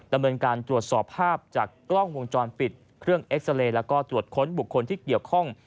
ดำเนินการตรวจสอบภาพจากกล้องวงจรปิดเครื่องเอ็กซาเรย์แล้วก็ตรวจค้นบุคคลที่เกี่ยวข้อง